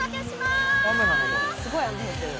すごい雨降ってる。